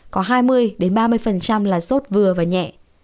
có hai mươi ba mươi là sốt vừa và nhẹ